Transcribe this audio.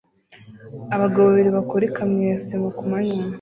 Abagabo babiri bakora ikamyo ya sima kumanywa